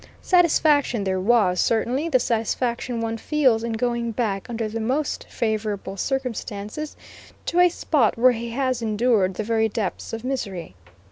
Satisfaction there was, certainly the satisfaction one feels in going back under the most favorable circumstances, to a spot where he has endured the very depths of misery.